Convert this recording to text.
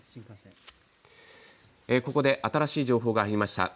ここで新しい情報が入りました。